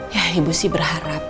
ya ibu sih berharap